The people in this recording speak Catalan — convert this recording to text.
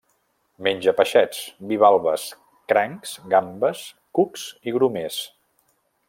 Menja peixets, bivalves, crancs, gambes, cucs i grumers.